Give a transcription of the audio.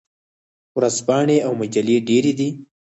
ورځپاڼې او مجلې ډیرې دي.